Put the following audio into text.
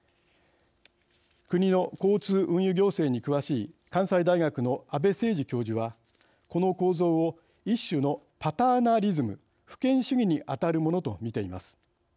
国の交通運輸行政に詳しい関西大学の安部誠治教授はこの構造を一種のパターナリズム＝父権主義にあたるものと見ています。